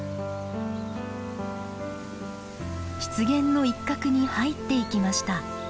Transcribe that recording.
湿原の一角に入っていきました。